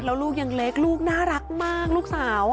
แล้วลูกยังเล็กลูกน่ารักมากลูกสาว